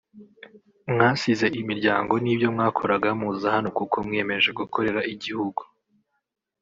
Mwasize imiryango n’ibyo mwakoraga muza hano kuko mwiyemeje gukorera igihugu